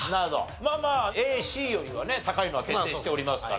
まあまあＡＣよりはね高いのは決定しておりますから。